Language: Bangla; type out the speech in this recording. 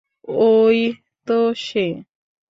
ওই তো সে!